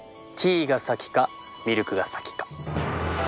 ティーが先かミルクが先か。